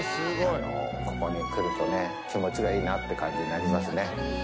ここに来るとね気持ちがいいなって感じになりますね。